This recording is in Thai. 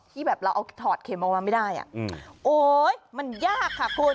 แบบเราเอาถอดเข็มออกมาไม่ได้อ่ะโอ๊ยมันยากค่ะคุณ